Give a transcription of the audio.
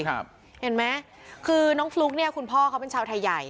เห็นไหมคือน้องฟลุ๊กเนี่ยคุณพ่อเขาเป็นชาวไทยใหญ่